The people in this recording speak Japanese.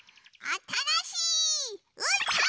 あたらしいうーたん！